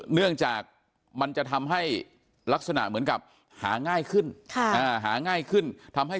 เนื่องจากมันจะทำให้